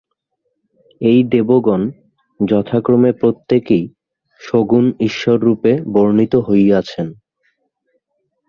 এই দেবগণ যথাক্রমে প্রত্যেকেই সগুণ ঈশ্বররূপে বর্ণিত হইয়াছেন।